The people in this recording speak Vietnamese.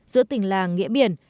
giữa tỉnh làng nghĩa biển